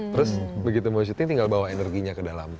terus begitu mau shooting tinggal bawa energinya ke luar